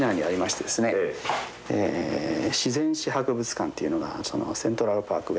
自然史博物館っていうのがセントラルパーク